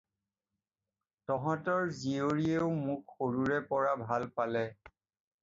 তহঁতৰ জীয়ৰীয়েও মোক সৰুৰে পৰা ভাল পালে